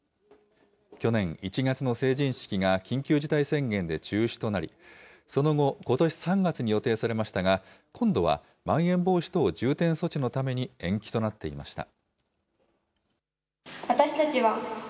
去年１月の成人式が緊急事態宣言で中止となり、その後、ことし３月に予定されましたが、今度はまん延防止等重点措置のために延期となっていました。